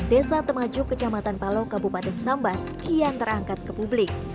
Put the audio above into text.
desa temajuk kecamatan palo kabupaten sambas kian terangkat ke publik